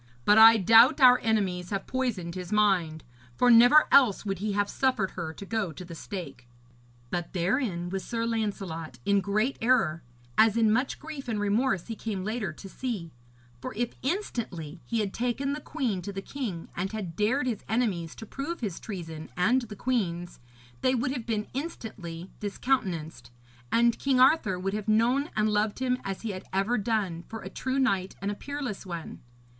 But I doubt our enemies have poisoned his mind, for never else would he have suffered her to go to the stake.' But therein was Sir Lancelot in great error, as in much grief and remorse he came later to see; for if instantly he had taken the queen to the king, and had dared his enemies to prove his treason and the queen's, they would have been instantly discountenanced, and King Arthur would have known and loved him as he had ever done, for a true knight and a peerless one.